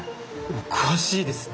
お詳しいですね。